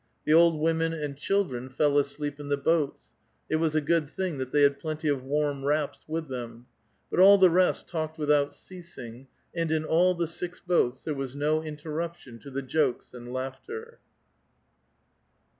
The old women and children fell asleep in the boats (it was a good thing that they had plenty of warm wraps with them) ; but all the rest tallced without ceasing and in all the six boats there was no interruption to the jokes and laughter.